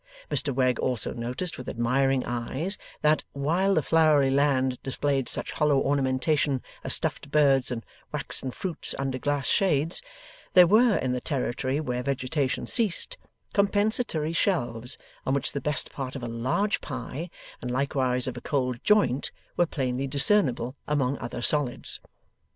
Mr Wegg also noticed, with admiring eyes, that, while the flowery land displayed such hollow ornamentation as stuffed birds and waxen fruits under glass shades, there were, in the territory where vegetation ceased, compensatory shelves on which the best part of a large pie and likewise of a cold joint were plainly discernible among other solids.